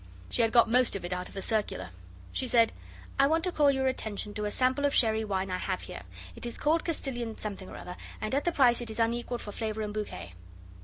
She had got most of it out of the circular. She said, 'I want to call your attention to a sample of sherry wine I have here. It is called Castilian something or other, and at the price it is unequalled for flavour and bouquet.